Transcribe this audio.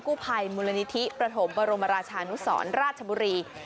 ภัยมูลนิธิประถมบรมราชานุสรราชบุรี